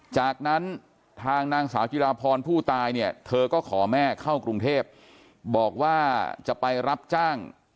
จากนั้นทางนางสาวจิราพรผู้ตายเนี่ยเธอก็ขอแม่เข้ากรุงเทพบอกว่าจะไปรับจ้าง